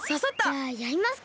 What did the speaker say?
じゃあやりますか。